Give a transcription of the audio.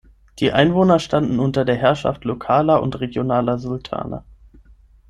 Die Einwohner standen unter der Herrschaft lokaler und regionaler Sultane.